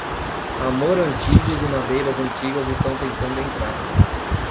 Amor antigo e madeiras antigas estão tentando entrar.